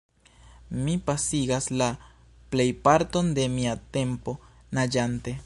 Mi pasigas la plejparton de mia tempo naĝante.